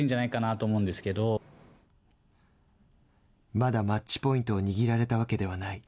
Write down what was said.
まだマッチポイントを握られたわけではない。